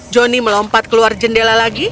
joni melompat keluar jendela lagi